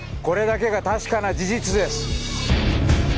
これだけが確かな事実です。